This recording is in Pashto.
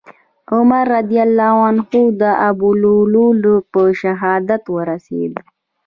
عمر رضي الله عنه د ابولؤلؤ له په شهادت ورسېد.